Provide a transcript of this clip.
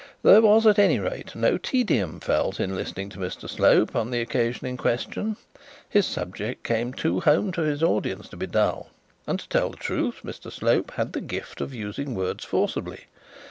There was, at any rate, no tedium felt in listening to Mr Slope on the occasion in question. His subject came too home to his audience to be dull; and, to tell the truth, Mr Slope had the gift of using words forcibly.